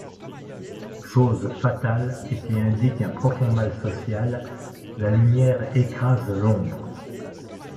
Chose fatale, et qui indique un profond mal social, la lumière écrase l’ombre!